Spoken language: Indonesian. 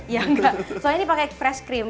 ya enggak soalnya ini pakai fresh cream